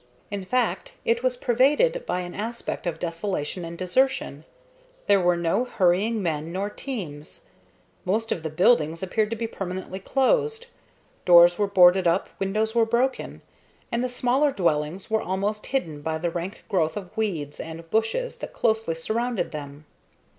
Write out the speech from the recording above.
In fact, it was pervaded by an aspect of desolation and desertion. There were no hurrying men nor teams. Most of the buildings appeared to be permanently closed; doors were boarded up, windows were broken, and the smaller dwellings were almost hidden by the rank growth of weeds and bushes that closely surrounded them.